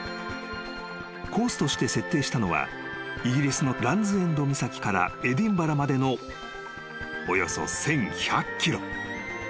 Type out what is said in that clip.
［コースとして設定したのはイギリスのランズ・エンド岬からエディンバラまでのおよそ１，１００ｋｍ］